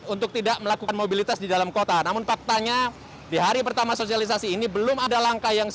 untuk tidak melakukan mobilitas di dalam kota namun faktanya di hari pertama sosialisasi ini belum ada langkah yang